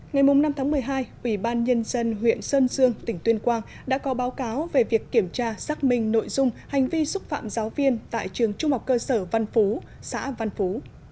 ngày năm một mươi hai ubnd huyện sơn dương tỉnh tuyên quang đã có báo cáo về việc kiểm tra xác minh nội dung hành vi xúc phạm giáo viên tại trường trung học cơ sở văn phú xã văn phú